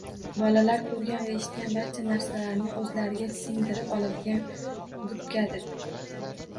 Bolalar – ko‘rgan va eshitgan barcha narsalarini o‘zlariga singdirib oladigan gubkadir.